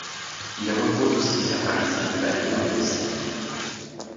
Il repose au cimetière parisien de Bagneux, dans les Hauts-de-Seine.